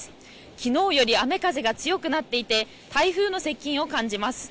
昨日より雨風が強くなっていて台風の接近を感じます。